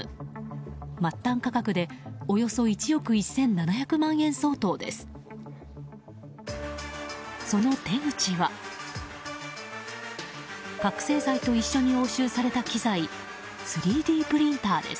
末端価格でおよそ１億１７００万円相当です。